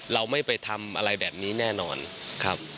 เราไม่ไปทำอะไรแบบนี้แน่นอนครับ